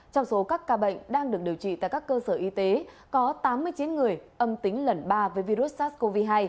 trong số các ca bệnh đang được điều trị tại các cơ sở y tế có tám mươi chín người âm tính lần ba với virus sars cov hai